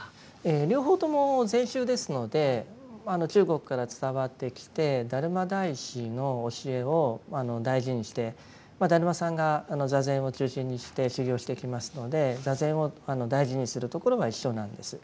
両方とも禅宗ですので中国から伝わってきて達磨大師の教えを大事にして達磨さんが坐禅を中心にして修行をしていきますので坐禅を大事にするところが一緒なんです。